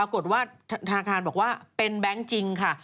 ปรากฏว่าธนาคารบอกว่าเป็นแบงค์จริงค่ะ